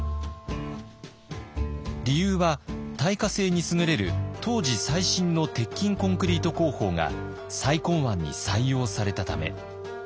理由は耐火性に優れる当時最新の鉄筋コンクリート工法が再建案に採用されたため。